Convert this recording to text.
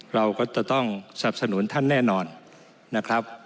เราก็จะต้องสับสนุนท่านแน่นอนนะครับ